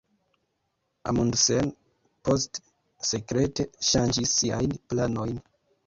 Amundsen poste sekrete ŝanĝis siajn planojn.